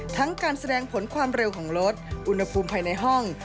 การแสดงผลความเร็วของรถอุณหภูมิภายในห้อง